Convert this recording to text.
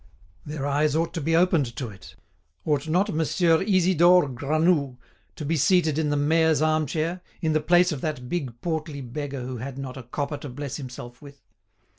Their eyes ought to be opened to it. Ought not Monsieur Isidore Granoux to be seated in the mayor's arm chair, in the place of that big portly beggar who had not a copper to bless himself with?